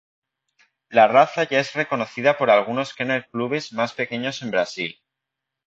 La raza ya es reconocida por algunos kennel clubes más pequeños en Brasil.